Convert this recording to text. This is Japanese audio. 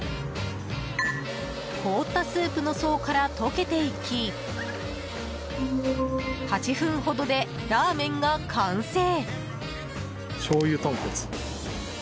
凍ったスープの層から溶けていき８分ほどで、ラーメンが完成。